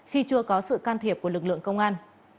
khi chưa có sự can thiệp của lực lượng công an